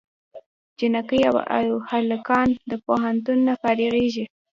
جینکۍ او هلکان د پوهنتون نه فارغېږي